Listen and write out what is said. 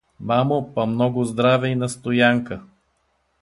Мамо, па много здраве и на Стоянка.